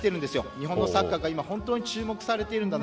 日本のサッカーが本当に注目されているんだな